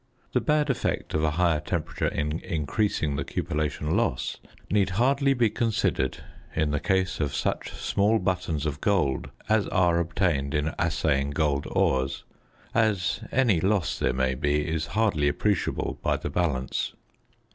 The bad effect of a higher temperature in increasing the cupellation loss need hardly be considered in the case of such small buttons of gold as are obtained in assaying gold ores, as any loss there may be is hardly appreciable by the balance.